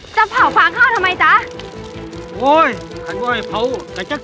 ทำไมต้องเผาอ่ะ